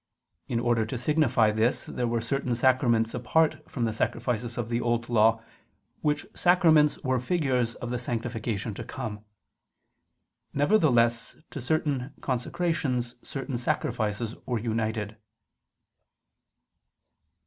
In order to signify this there were certain sacraments apart from the sacrifices of the Old Law, which sacraments were figures of the sanctification to come. Nevertheless to certain consecrations certain sacrifices were united.